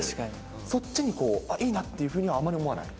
そっちにこう、いいなっていうふうにはあまり思わない？